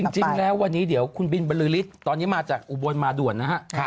จริงแล้ววันนี้เดี๋ยวคุณบินบรือฤทธิ์ตอนนี้มาจากอุบลมาด่วนนะฮะ